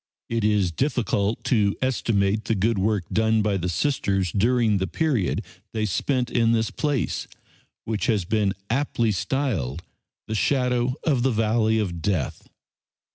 It is difficult to estimate the good work done by the Sisters during the period they spent in this place, which has been aptly styled the "shadow of the valley of death."